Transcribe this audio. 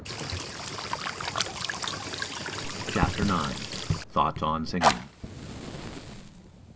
_ CHAPTER IX. THOUGHTS ON SINGING.